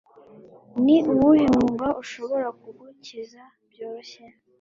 Ni uwuhe mwuga ushobora kugukiza byoroshye?